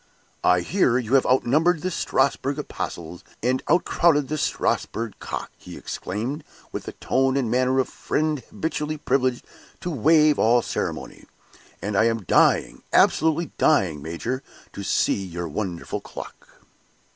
"I hear you have outnumbered the Strasbourg apostles, and outcrowed the Strasbourg cock," he exclaimed, with the tone and manner of a friend habitually privileged to waive all ceremony; "and I am dying, absolutely dying, major, to see your wonderful clock!"